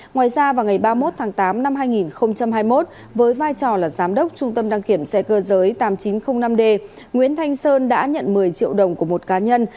ngoài ra vào ngày ba mươi một tháng tám năm hai nghìn hai mươi một với vai trò là giám đốc trung tâm đăng kiểm xe cơ giới tám nghìn chín trăm linh năm d nguyễn thanh sơn đã nhận một mươi triệu đồng của một cá nhân